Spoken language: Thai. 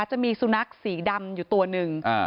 จะมีสุนัขสีดำอยู่ตัวหนึ่ง